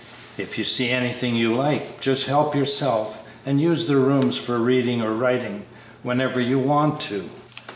If you see anything you like, just help yourself, and use the rooms for reading or writing whenever you want to."